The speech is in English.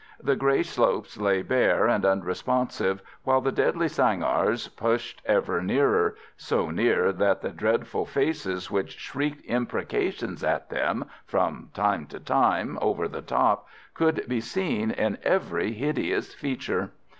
The grey slopes lay bare and unresponsive while the deadly sangars pushed ever nearer, so near that the dreadful faces which shrieked imprecations at them from time to time over the top could be seen in every hideous feature.